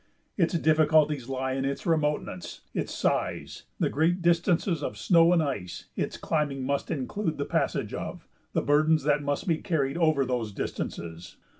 Its difficulties lie in its remoteness, its size, the great distances of snow and ice its climbing must include the passage of, the burdens that must be carried over those distances.